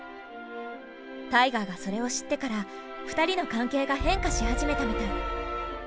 タイガーがそれを知ってから２人の関係が変化し始めたみたい。